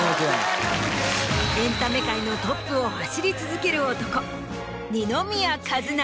エンタメ界のトップを走り続ける男。